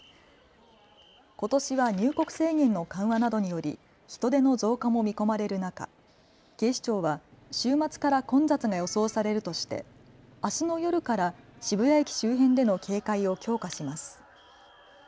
ことしは入国制限の緩和などにより人出の増加も見込まれる中、警視庁は週末から混雑が予想されるとしてあすの夜から渋谷駅周辺での警戒を強化します。